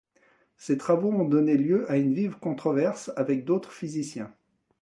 Ces travaux ont donné lieu à une vive controverse avec d'autres physiciens.